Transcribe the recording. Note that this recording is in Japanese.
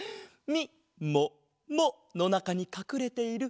みもものなかにかくれてる？